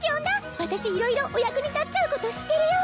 私色々お役に立っちゃうこと知ってるよ